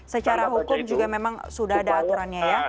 secara hukum juga memang sudah ada aturannya ya